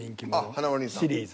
華丸兄さん。